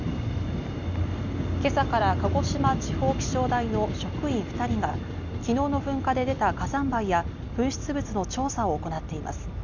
今朝から鹿児島地方気象台の職員２人が昨日の噴火で出た火山灰や噴出物の調査を行っています。